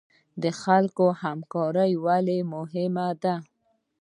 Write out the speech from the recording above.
د خلکو همکاري ولې مهمه ده؟